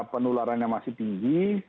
penularannya masih tinggi